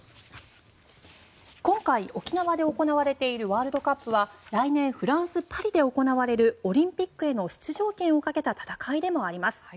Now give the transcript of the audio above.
今回、沖縄で行われているワールドカップは来年フランス・パリで行われるオリンピックへの出場権をかけた戦いでもあります。